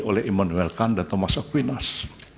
oleh immanuel kahn dan thomas akwinas